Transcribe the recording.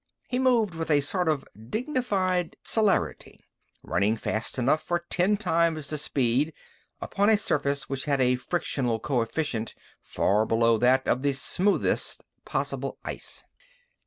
He moved with a sort of dignified celerity, running fast enough for ten times the speed, upon a surface which had a frictional coefficient far below that of the smoothest possible ice.